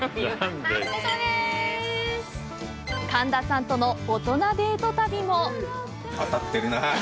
神田さんとの大人デート旅も。